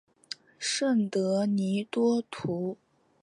圣德尼多图。